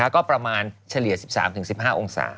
ก็ประมาณเฉลี่ย๑๓๑๕องศา